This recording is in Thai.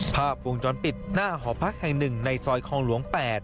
ภาพวงจรปิดหน้าหอพักแห่ง๑ในซอยคลองหลวง๘